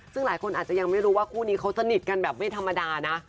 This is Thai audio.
ซึ่งหลายคนอาจจะยังไม่รู้ว่าคู่นี้เขาสนิทกันแบบไม่ธรรมดานะ